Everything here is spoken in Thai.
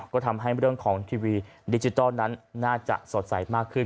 ก็ทำให้เรื่องของทีวีดิจิทัลนั้นน่าจะสดใสมากขึ้น